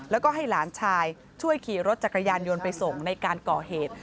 แล้วก็ให้หลานชายช่วยขี่รถจักรยานยนต์ไปส่งในการก่อเหตุ